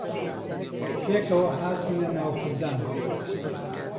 پێکەوە هاتینە ناوپردان